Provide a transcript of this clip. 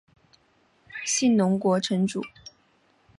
信浓国城主。